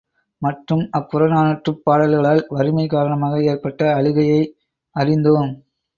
மற்றும் அப்புறநானூற்றுப் பாடல்களால் வறுமை காரணமாக ஏற்பட்ட அழுகையை அறிந்தோம்.